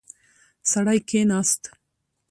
سړی کښیناست.